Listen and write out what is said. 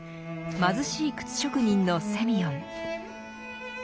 貧しい靴職人のセミヨン。